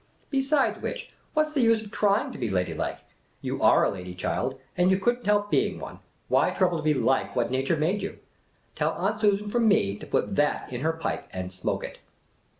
Besides which, what 's the use of trying to be ladylike ? You are a lady, child, and you could n't help being one ; why trouble to be like what nature made you ? Tell Aunt Susan from me to put that in her pipe and smoke it